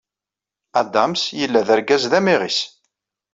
Adams yella d argaz d amiɣis.